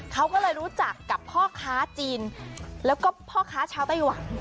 เขาก็เลยรู้จักกับพ่อค้าจีนแล้วก็พ่อค้าชาวไต้หวัน